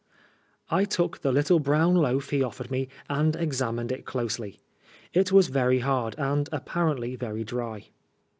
I took the little brown loaf he offered me and examined it closely. It was very hard, and apparently very dry.